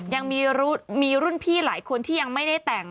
ยังมีรุ่นพี่หลายคนที่ยังไม่ได้แต่ง